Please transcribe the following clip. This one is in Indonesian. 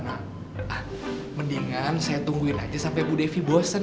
ah mendingan saya tungguin aja sampe bu devi bosen